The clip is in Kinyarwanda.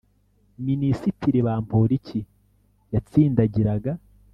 minisitiri bamporiki yatsindagiraga